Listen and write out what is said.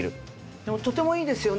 でもとてもいいですよね。